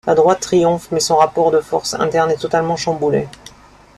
La droite triomphe mais son rapport de force interne est totalement chamboulé.